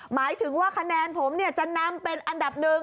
หมายถึงว่าคะแนนผมจะนำเป็นอันดับหนึ่ง